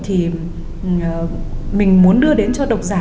thì mình muốn đưa đến cho độc giả